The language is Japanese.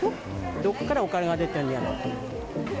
どっからお金が出てるんやろと思って。